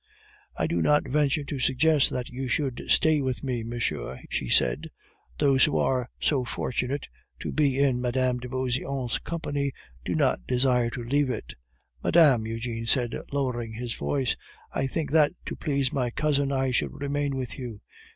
"I do not venture to suggest that you should stay with me, monsieur," she said. "Those who are so fortunate as to be in Mme. de Beauseant's company do not desire to leave it." "Madame," Eugene said, lowering his voice, "I think that to please my cousin I should remain with you.